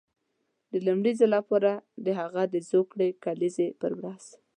د لومړي ځل لپاره د هغه د زوکړې د کلیزې پر ورځ.